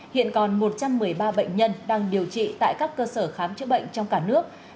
hiện còn một trăm một mươi ba bệnh nhân đang điều trị tại các cơ sở khám chữa bệnh trong cả nước